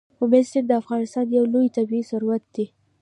آمو سیند د افغانستان یو لوی طبعي ثروت دی.